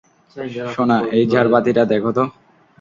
সোনা, এই ঝাড়বাতিটা দেখো তো।